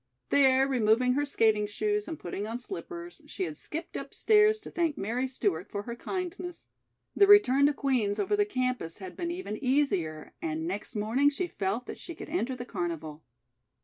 There, removing her skating shoes, and putting on slippers, she had skipped upstairs to thank Mary Stewart for her kindness. The return to Queen's over the campus had been even easier, and next morning she felt that she could enter the carnival.